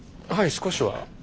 はい少しは。